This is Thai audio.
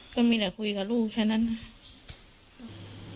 ก็มีแต่คุยกับลูกแค่นั้นนะ